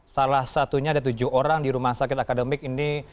salah satunya ada tujuh orang di rumah sakit akademik ini